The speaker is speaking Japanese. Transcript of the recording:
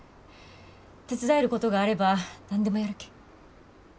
手伝えることがあれば何でもやるけん。